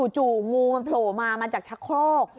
่งูมันโผล่มามาจากชะโครก